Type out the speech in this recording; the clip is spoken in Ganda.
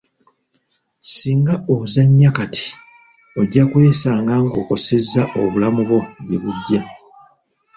Singa ozannya kati, ojja kwesanga ng'okosezza obulamu bwo gyebujja.